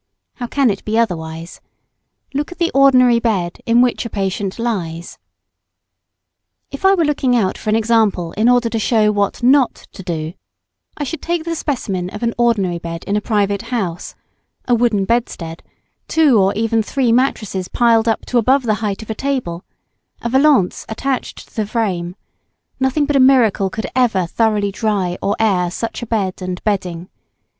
How can it be otherwise? Look at the ordinary bed in which a patient lies. [Sidenote: Uncleanliness of ordinary bedding.] If I were looking out for an example in order to show what not to do, I should take the specimen of an ordinary bed in a private house: a wooden bedstead, two or even three mattresses piled up to above the height of a table; a vallance attached to the frame nothing but a miracle could ever thoroughly dry or air such a bed and bedding.